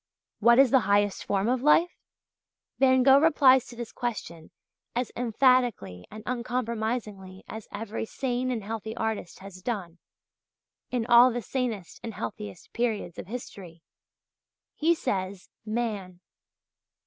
What is the highest form of life? Van Gogh replies to this question as emphatically and uncompromisingly as every sane and healthy artist has done in all the sanest and healthiest periods of history. He says "Man."